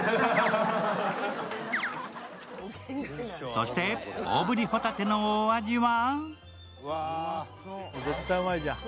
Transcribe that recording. そして、大ぶりほたてのお味は？